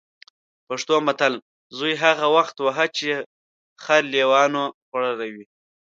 پښتو متل: زوی هغه وخت وهه چې خر لېوانو خوړلی وي.